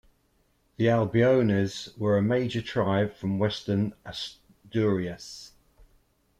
The Albiones were a major tribe from western Asturias.